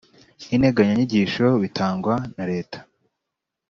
n integanyanyigisho bitangwa na Leta